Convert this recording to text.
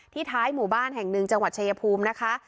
ท้ายหมู่บ้านแห่งหนึ่งจังหวัดชายภูมินะคะ